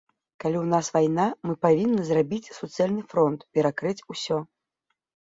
Калі ў нас вайна, мы павінны зрабіць суцэльны фронт, перакрыць усё.